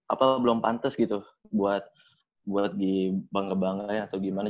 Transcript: apa belum pantes gitu buat buat di bank bank aja atau gimana